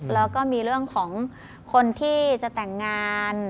แล้วก็มีเรื่องของคนที่จะแต่งงาน